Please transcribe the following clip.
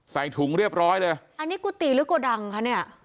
ใส่ถุงเรียบร้อยเลยอันนี้กุฏิหรือโกดังคะเนี่ย